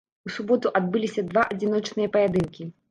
У суботу адбыліся два адзіночныя паядынкі.